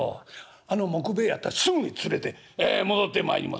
「あの杢兵衛やったらすぐに連れて戻ってまいります。